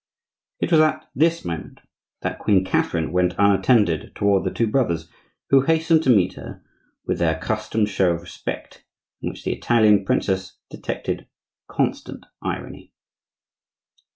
It was at this moment that Queen Catherine went, unattended, toward the two brothers, who hastened to meet her with their accustomed show of respect, in which the Italian princess detected constant irony.